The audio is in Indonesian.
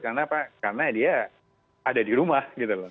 karena apa karena dia ada di rumah